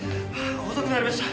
遅くなりました。